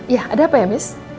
ya ada apa ya mis